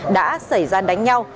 đã xảy ra đánh nhau